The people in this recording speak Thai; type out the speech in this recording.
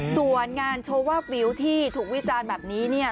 ส่วนงานโชว์วาบวิวที่ถูกวิจารณ์แบบนี้